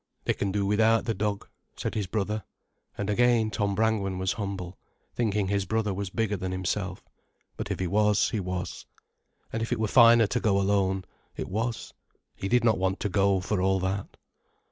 "They can do without the dog," said his brother. And again Tom Brangwen was humble, thinking his brother was bigger than himself. But if he was, he was. And if it were finer to go alone, it was: he did not want to go for all that.